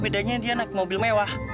bentar okan di mercy korang dah